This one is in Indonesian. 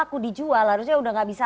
kita harus mengatasi